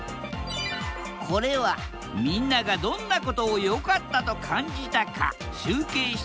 これはみんながどんなことを良かったと感じたか集計した結果。